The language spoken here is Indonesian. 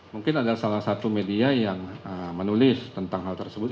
mungkin ada salah satu media yang menulis tentang hal tersebut